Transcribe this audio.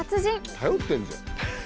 頼ってんじゃん！